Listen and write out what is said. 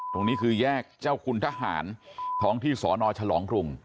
ตรงนี้คือแยกเจ้าคุณทหารท้องที่สนฉลองกรุง